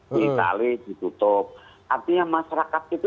di itali ditutup artinya masyarakat itu